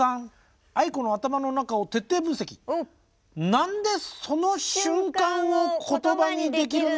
なんでその瞬間を言葉にできるの？